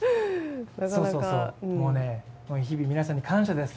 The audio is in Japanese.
もうね、日々皆さんに感謝です。